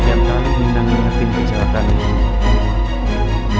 tiap kali bintang nyatim kecelakaan ini